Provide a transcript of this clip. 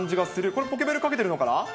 これ、ポケベルかけてるのかな。